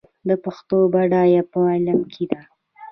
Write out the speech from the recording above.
د پښتو بډاینه په علم کې ده.